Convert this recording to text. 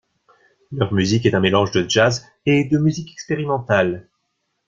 Leur musique est un mélange de jazz et de musique expérimentale.